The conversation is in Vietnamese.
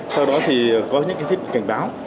sau đó thì có những cái thiết bị cảnh báo